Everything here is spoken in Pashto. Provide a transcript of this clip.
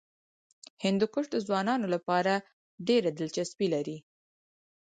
هندوکش د ځوانانو لپاره ډېره دلچسپي لري.